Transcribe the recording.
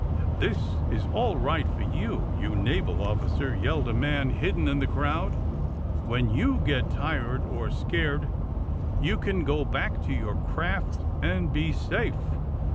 ^^This is all right for yon, you naval officer!" yelled a man hidden in* the crowd. ^^When you get tired or scared you can go back to your craft and be safe